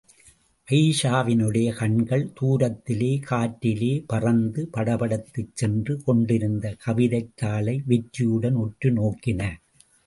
அயீஷாவினுடைய கண்கள் தூரத்திலே காற்றிலே பறந்து படபடத்துச் சென்று கொண்டிருந்த கவிதைத் தாளை வெற்றியுடன் உற்று நோக்கின.